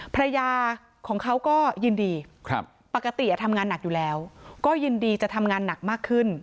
ภรรยาของเขาก็ยินดีปกติทำงานหนักอยู่แล้วก็ยินดีจะทำงานหนักมากขึ้น